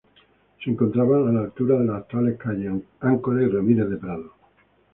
Se encontraban a la altura de las actuales calles Áncora y Ramírez de Prado.